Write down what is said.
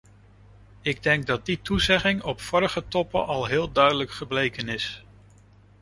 Ik denk dat die toezegging op vorige toppen al heel duidelijk gebleken is.